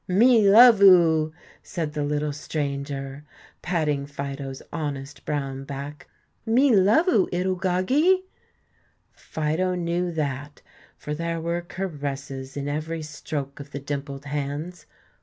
"Me love oo," said the little stranger, patting Fido's honest brown back; "me love oo, 'ittle goggie!" Fido knew that, for there were caresses in every stroke of the dimpled hands.